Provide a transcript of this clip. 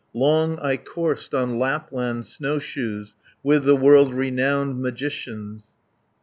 Long I coursed on Lapland snowshoes, With the world renowned magicians."